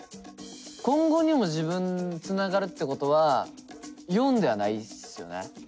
今後にも自分つながるってことは④ではないっすよね。